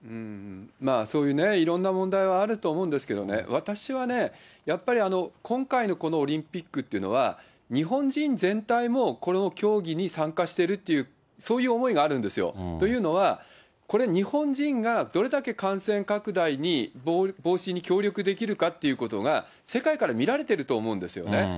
そういういろんな問題あると思うんですけどね、私はね、やっぱり今回のこのオリンピックっていうのは、日本人全体もこのきょうぎに参加してるっていう、そういう思いがあるんですよ。というのは、これ、日本人がどれだけ感染拡大に防止に協力できるかということが、世界から見られてると思うんですよね。